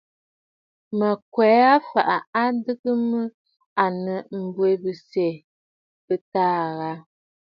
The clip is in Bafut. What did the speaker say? Mə̀ kwe aa fàa adɨgə mə à nɨ abwenənsyɛ bɨ̂taà aà.